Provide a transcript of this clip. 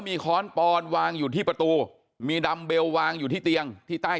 มีค้อนปอนวางอยู่ที่ประตูมีดำเบลวางอยู่ที่เตียงที่ใต้